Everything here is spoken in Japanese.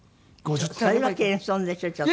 それは謙遜でしょちょっと。